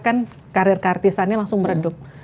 kan karir keartisannya langsung meredup